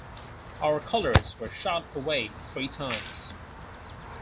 Our colors were shot away three times.